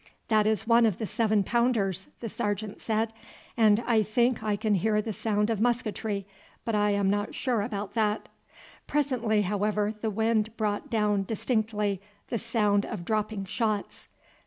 "That is one of the seven pounders," the sergeant said; "and I think I can hear the sound of musketry, but I am not sure about that." Presently, however, the wind brought down distinctly the sound of dropping shots.